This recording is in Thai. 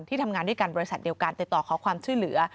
ทำงานด้วยกันบริษัทเดียวกันติดต่อขอความช่วยเหลือ